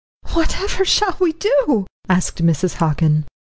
"Whativer shall we do?" asked Mrs. Hockin.